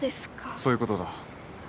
そういうことだ。